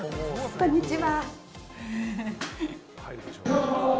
こんにちは。